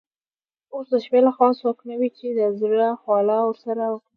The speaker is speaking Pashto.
اوس د شپې له خوا څوک نه وي چي د زړه خواله ورسره وکړم.